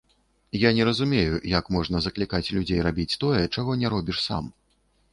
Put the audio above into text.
Я не разумею, як можна заклікаць людзей рабіць тое, чаго не робіш сам.